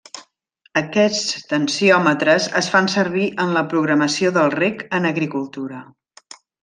Aquests tensiòmetres es fan servir en la programació del reg en agricultura.